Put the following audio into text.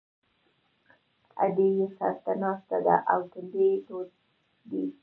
ادې یې سر ته ناسته ده او تندی یې تود دی